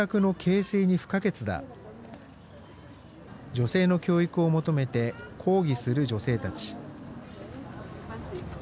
女性の教育を求めて抗議する女性たち。